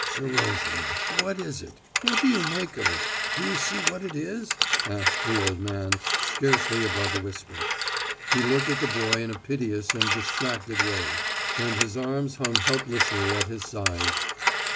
"Serozha ... what is it?... What do you make of it? Do you see what it is?" asked the old man, scarcely above a whisper. He looked at the boy in a piteous and distracted way, and his arms hung helplessly at his sides.